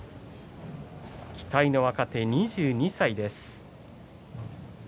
期待の若手２２歳です。